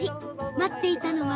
待っていたのは。